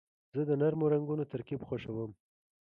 زه د نرمو رنګونو ترکیب خوښوم.